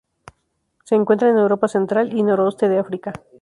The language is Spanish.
Se encuentran en Europa central, y Noroeste de África.